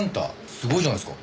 すごいじゃないですか。